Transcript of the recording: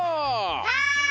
はい！